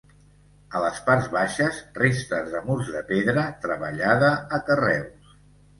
A les parts baixes, restes de murs de pedra treballada a carreus.